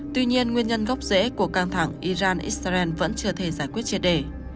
tuy nhiên nguyên nhân gốc dễ của căng thẳng iran israel vẫn chưa thể giải quyết chia đề